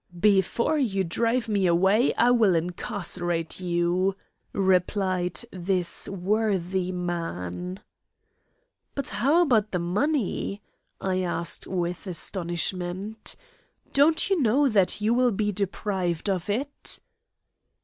"Before you drive me away I will incarcerate you," replied this worthy man. "But how about the money?" I asked with astonishment. "Don't you know that you will be deprived of it?"